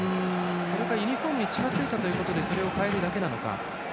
それかユニフォームに血がついたということでそれを替えるだけなのか。